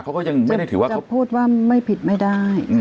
จะพูดว่าไม่ผิดไม่ได้